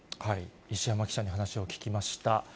石浜記者に話を聞きました。